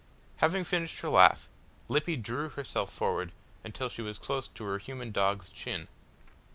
Having finished her laugh, Lippy drew herself forward until she was close to her human dog's chin.